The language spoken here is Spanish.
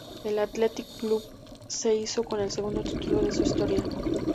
El Athletic Club se hizo con el segundo título de su historia.